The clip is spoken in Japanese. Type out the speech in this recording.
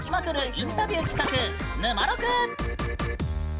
インタビュー企画「ぬまろく」！